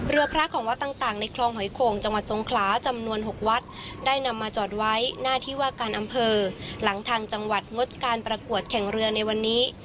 เรือพระของวัดต่างในคลองหอยโข่งจังหวัดทรงคลาจำนวน๖วัดได้นำมาจอดไว้หน้าที่ว่าการอำเภอหลังทางจังหวัดงดการประกวดแข่งเรือในวันนี้